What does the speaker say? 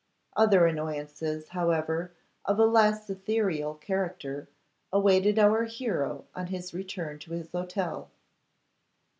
Other annoyances, however, of a less ethereal character, awaited our hero on his return to his hotel.